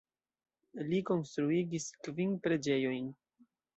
Li konstruigis kvin preĝejojn.